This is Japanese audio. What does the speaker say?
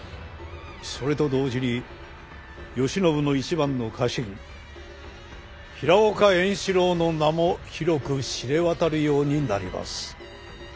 それと同時に慶喜の一番の家臣平岡円四郎の名も広く知れ渡るようになります。